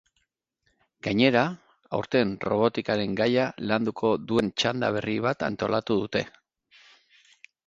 Gainera, aurten robotikaren gaia landuko duen txanda berri bat antolatu dute.